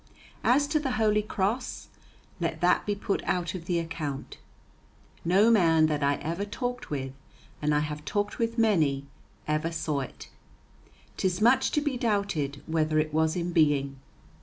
As to the Holy Cross, let that be put out of the account. No man that I ever talked with and I have talked with many ever saw it. 'Tis much to be doubted whether it was in being.